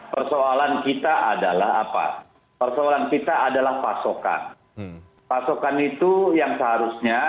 persoalan kita adalah apa persoalan kita adalah pasokan pasokan itu yang seharusnya